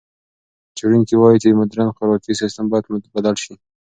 څېړونکي وايي چې مُدرن خوراکي سیستم باید بدل شي.